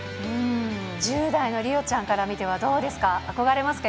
１０代の梨央ちゃんから見てはどうですか、憧れますか？